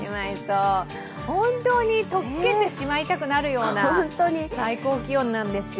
本当に溶けてしまいたくなるような最高気温なんですよ。